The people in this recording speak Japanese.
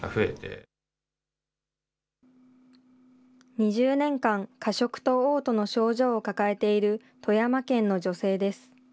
２０年間、過食とおう吐の症状を抱えている富山県の女性です。